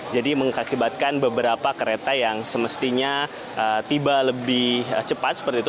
jadi mengakibatkan beberapa kereta yang semestinya tiba lebih cepat seperti itu